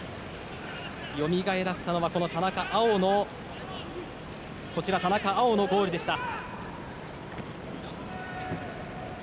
よみがえらせたのは田中碧のゴールでした。